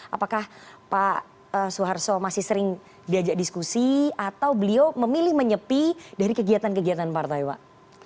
apakah pak soeharto masih sering diajak diskusi atau beliau memilih menyepi dari kegiatan kegiatan partai pak